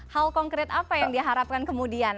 hal konkret apa yang diharapkan kemudian